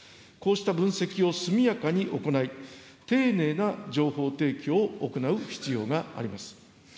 こうした分析を速やかに行い、丁寧な情報提供を行う必要があります。